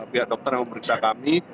pihak dokter yang memeriksa kami